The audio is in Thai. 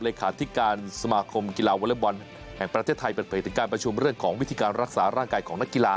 เลขาธิการสมาคมกีฬาวอเล็กบอลแห่งประเทศไทยเปิดเผยถึงการประชุมเรื่องของวิธีการรักษาร่างกายของนักกีฬา